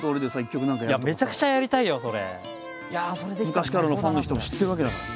昔からのファンの人も知ってるわけだから。